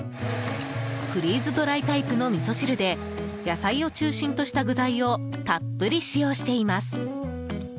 フリーズドライタイプのみそ汁で野菜を中心とした具材をたっぷり使用しています。